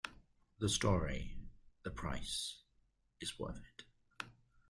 The story ""...the price is worth it.